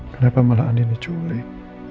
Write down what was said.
kenapa malah andin diculik